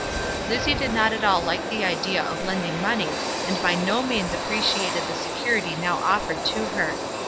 Lizzie did not at all like the idea of lending money, and by no means appreciated the security now offered to her.